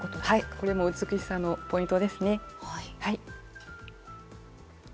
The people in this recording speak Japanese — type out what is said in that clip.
これも美しさのポイントですね。